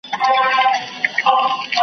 بیا مي پورته له ګودره د پاولیو شرنګهار کې .